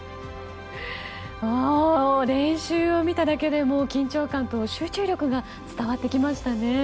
練習を見ただけで緊張感と集中力が伝わってきましたね。